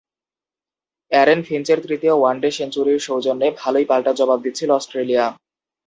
Aaron ফিঞ্চের তৃতীয় one day সেঞ্চুরির সৌজন্যে ভালোই পাল্টা জবাব দিচ্ছিল অস্ট্রেলিয়া।